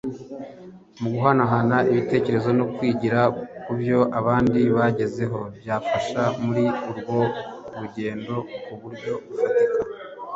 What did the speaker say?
mu guhanahana ibitekerezo no kwigira ku byo abandi bagezeho byafasha muri urwo rugendo ku buryo bufatika